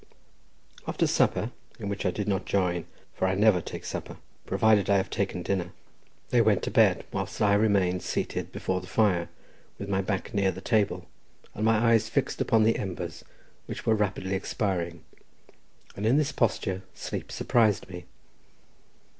After supper, in which I did not join, for I never take supper, provided I have taken dinner, they went to bed, whilst I remained seated before the fire, with my back near the table, and my eyes fixed upon the embers, which were rapidly expiring, and in this posture sleep surprised me.